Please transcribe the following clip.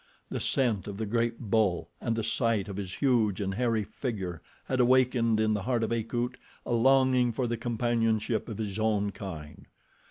The scent of the great bull and the sight of his huge and hairy figure had wakened in the heart of Akut a longing for the companionship of his own kind.